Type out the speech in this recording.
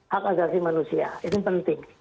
hak agasi manusia ini penting